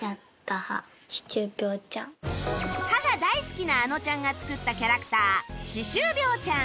歯が大好きなあのちゃんが作ったキャラクター歯周病ちゃん